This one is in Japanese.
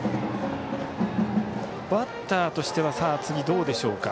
バッターとしては次、どうでしょうか。